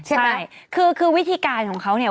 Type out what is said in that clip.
ใช่ไหมคือคือวิธีการของเขาเนี่ย